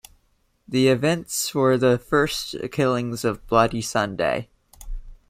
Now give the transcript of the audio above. The events were the first killings of Bloody Sunday.